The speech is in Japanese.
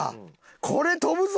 これ飛ぶぞ！